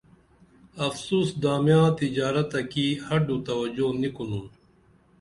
افسوس دامیاں تجارت تہ کی ہڈو توجو نی کُنُن